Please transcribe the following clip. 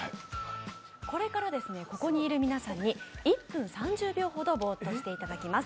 これから、ここにいる皆さんに１分３０秒ほどぼーっとしてもらいます。